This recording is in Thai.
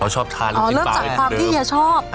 อ๋อชอบทานลูกชิ้นปลาอ๋อเริ่มจากความที่เฮียชอบ